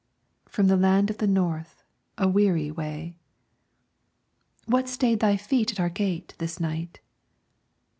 "From the land of the North, a weary way." "What stayed thy feet at our gate this night?"